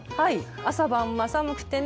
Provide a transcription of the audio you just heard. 朝晩は寒くてね。